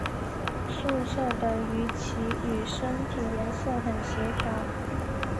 素色的鱼鳍与身体颜色很协调。